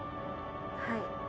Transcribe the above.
はい。